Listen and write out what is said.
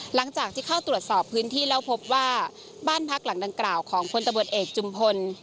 หลังจากที่เข้าตรวจสอบพื้นที่แล้วพบว่าบ้านพักหลังดังกล่าวของพลตำรวจเอกจุมพล